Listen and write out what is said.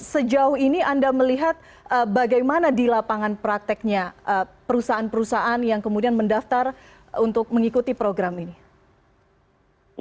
sejauh ini anda melihat bagaimana di lapangan prakteknya perusahaan perusahaan yang kemudian mendaftar untuk mengikuti program ini